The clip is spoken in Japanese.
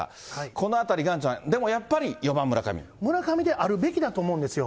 このあたり、岩ちゃん、でもやっぱり、村上であるべきだと思うんですよ。